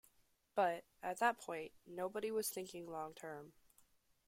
But, at that point, nobody was thinking long-term.